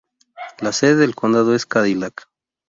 La sede del condado es Cadillac.